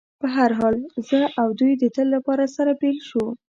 په هر حال، زه او دوی د تل لپاره سره بېل شو.